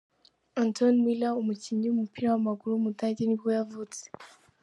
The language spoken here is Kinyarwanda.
Anton Müller, umukinnyi w’umupira w’amaguru w’umudage nibwo yavutse.